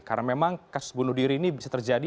karena memang kasus bunuh diri ini bisa terjadi